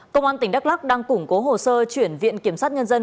công an tp hcm đang củng cố hồ sơ chuyển viện kiểm soát nhân dân